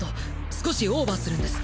少しオーバーするんです。